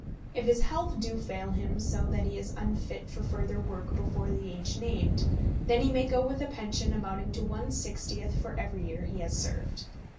If his health do fail him so that he is unfit for further work before the age named, then he may go with a pension amounting to one sixtieth for every year he has served.